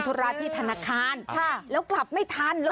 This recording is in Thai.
กลับบ้านเลยกับใด